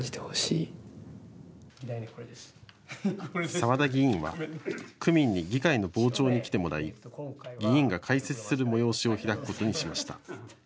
沢田議員は区民に議会の傍聴に来てもらい議員が解説する催しを開くことにしました。